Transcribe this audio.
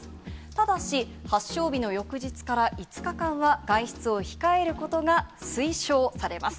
ただし、発症日の翌日から５日間は、外出を控えることが推奨されます。